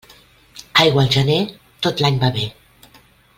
Aigua al gener, tot l'any va bé.